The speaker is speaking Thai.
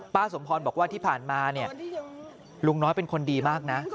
สมพรบอกว่าที่ผ่านมาเนี่ยลุงน้อยเป็นคนดีมากนะ